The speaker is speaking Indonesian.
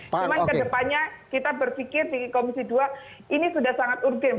cuman kedepannya kita berpikir di komisi dua ini sudah sangat urgen